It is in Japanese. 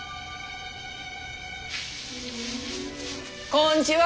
こんちは。